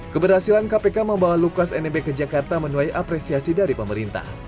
keberhasilan kpk membawa lukas nmb ke jakarta menuai apresiasi dari pemerintah